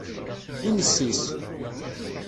Inessis.